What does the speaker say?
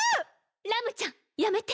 ラムちゃんやめて。